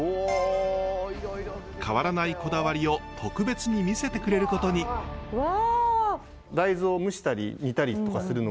変わらないこだわりを特別に見せてくれることに。わ！